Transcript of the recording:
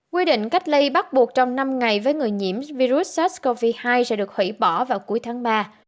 quy định cách ly bắt buộc trong năm ngày với người nhiễm virus sars cov hai sẽ được hủy bỏ vào cuối tháng ba